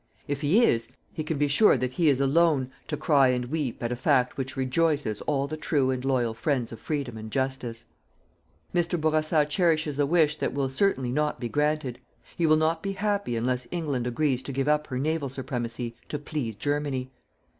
If he is, he can be sure that he is alone to cry and weep at a fact which rejoices all the true and loyal friends of freedom and justice. Mr. Bourassa cherishes a wish that will certainly not be granted. He will not be happy unless England agrees to give up her naval supremacy to please Germany.